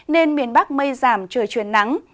nên miền bắc mây giảm trời chuyển nắng